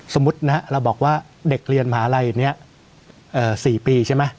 สมมุตินะเราบอกว่าเด็กเรียนมหาลัยนี้๔ปีใช่ไหม